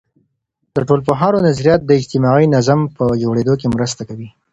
د ټولنپوهانو نظریات د اجتماعي نظم په جوړیدو کي مرسته کوي.